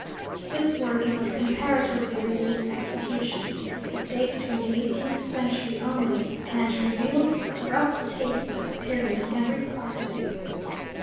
This work is of comparatively recent execution: it dates from the eighteenth century only, and reveals the corrupt taste of the period in every part of it.